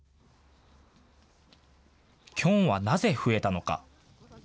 キョンはなぜ増えたのか。